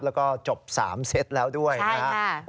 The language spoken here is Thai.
แล้วก็จบ๓เซตแล้วด้วยนะครับ